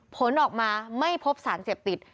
ผลออกมาไม่พบสารเสพติด